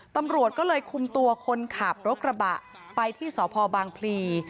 ตำรวจก็เลยคุมตัวคนขับรถกระบะไปที่สพบางพลี